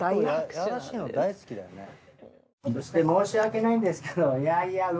そして申し訳ないんですけどう